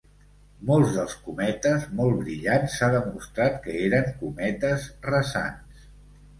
Molts dels cometes molt brillants s'ha demostrat que eren cometes rasants.